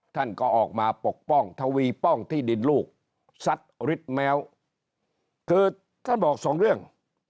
ท่านก็ออกมาปกป้องทวีป้องที่ดินลูกซัดฤทธิ์แมวคือท่านบอกสองเรื่อง